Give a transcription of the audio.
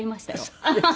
そうです。